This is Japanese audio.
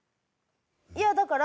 いやだから。